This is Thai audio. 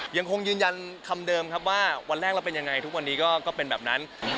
ยังคงยืนยันคำเดิมครับว่าวันแรกเราเป็นยังไงทุกวันนี้ก็เป็นแบบนั้น